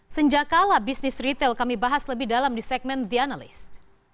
senjakala bisnis retail kami bahas lebih dalam di segmen the analyst